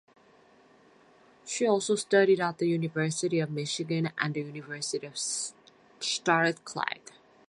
She also studied at the University of Michigan and the University of Strathclyde.